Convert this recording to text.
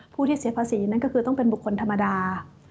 ผู้ที่เสียภาษีก็คือต้องเป็นบุคคลภิมฐาฯ